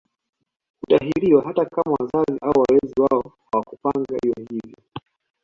Hutahiriwa hata kama wazazi au walezi wake hawakupanga iwe hivyo